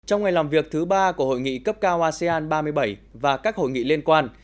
trong ngày làm việc thứ ba của hội nghị cấp cao asean ba mươi bảy và các hội nghị liên quan